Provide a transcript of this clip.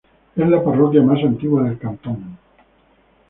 Es la parroquia más antigua del cantón.